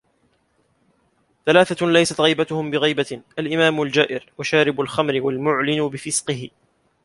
ثَلَاثَةٌ لَيْسَتْ غِيبَتُهُمْ بِغِيبَةٍ الْإِمَامُ الْجَائِرُ وَشَارِبُ الْخَمْرِ وَالْمُعْلِنُ بِفِسْقِهِ